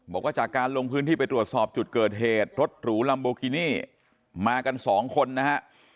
บอกว่าจากการลงพื้นที่ไปตรวจสอบจุดเกิดเหตุรถหรูลัมโบกินี่มากันสองคนนะฮะ